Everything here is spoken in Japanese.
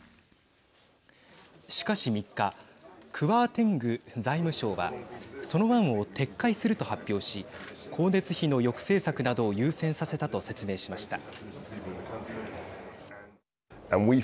しかし３日クワーテング財務相はその案を撤回すると発表し光熱費の抑制策などを優先させたと説明しました。